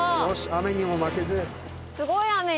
雨にも負けず。